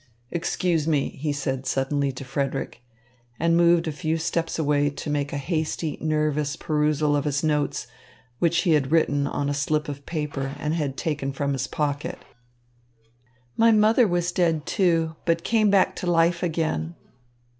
"Excuse me," he said suddenly to Frederick, and moved a few steps away to make a hasty, nervous perusal of his notes, which he had written on a slip of paper and had taken from his pocket. "My mother was dead, too, but came back to life again."